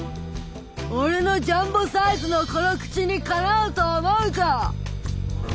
「俺のジャンボサイズのこの口にかなうと思うか！」。